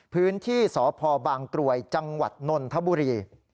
พื้นที่สพบางกรวยจังหวัดนนทบุรี